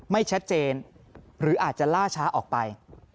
ไม่ชัดเจนหรืออาจจะล่าช้าออกไป